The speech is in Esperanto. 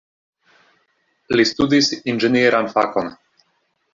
Li studis inĝenieran fakon.